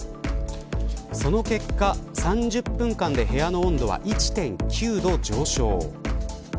その結果、３０分間で部屋の温度は１．９度上昇。